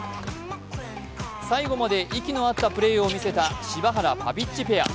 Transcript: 最後まで息の合ったプレーを見せた柴原・パビッチペア。